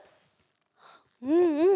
うんうん。